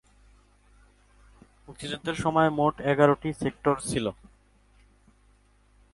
চার নম্বর সেক্টরের অধীনে তিনি সিলেটে যুদ্ধ করেন।